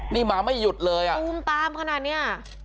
นี่มาไม่หยุดเลยอ่ะตูมตามขนาดเนี้ย